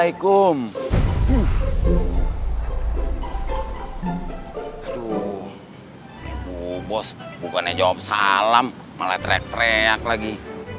ibu bos bukannya jawab salam malah terek terek lagi